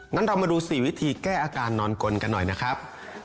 งั้นเรามาดู๔วิธีแก้อาการนอนกลกันหน่อยนะครับ